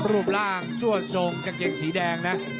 รูปร่างชั่วทรงกางเกงสีแดงนะ